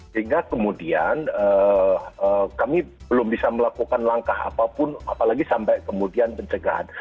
sehingga kemudian kami belum bisa melakukan langkah apapun apalagi sampai kemudian pencegahan